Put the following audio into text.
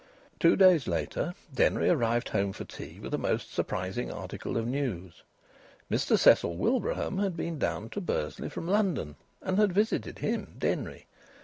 Two days later Denry arrived home for tea with a most surprising article of news. Mr Cecil Wilbraham had been down to Bursley from London, and had visited him, Denry.